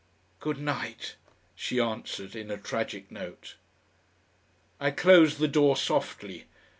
"Good night," she answered in a tragic note.... I closed the door softly.